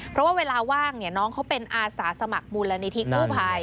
เพราะว่าเวลาว่างน้องเขาเป็นอาสาสมัครมูลนิธิกู้ภัย